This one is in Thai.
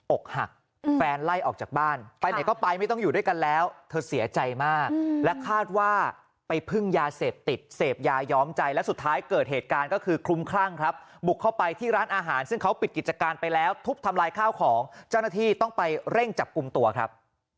อกหักแฟนไล่ออกจากบ้านไปไหนก็ไปไม่ต้องอยู่ด้วยกันแล้วเธอเสียใจมากและคาดว่าไปพึ่งยาเสพติดเสพยาย้อมใจและสุดท้ายเกิดเหตุการณ์ก็คือคลุมคลั่งครับบุกเข้าไปที่ร้านอาหารซึ่งเขาปิดกิจการไปแล้วทุบทำลายข้าวของเจ้าหน้าที่ต้องไปเร่งจับกลุ่มตัวครับ